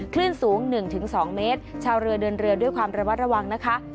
คลื่นสูง๑๒เมตรชาวเรือเดินเรือด้วยความระมัดระวังนะคะ